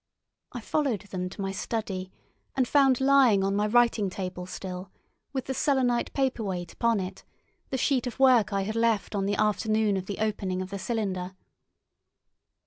I followed them to my study, and found lying on my writing table still, with the selenite paper weight upon it, the sheet of work I had left on the afternoon of the opening of the cylinder.